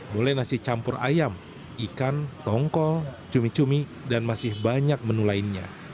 mulai nasi campur ayam ikan tongkol cumi cumi dan masih banyak menu lainnya